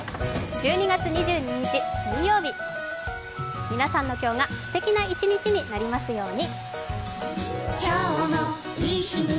１２月２２日水曜日、皆さんの今日がすてきな一日になりますように。